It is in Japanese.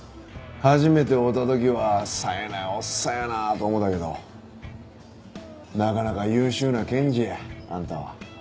初めて会うた時はさえないおっさんやなと思うたけどなかなか優秀な検事やあんたは。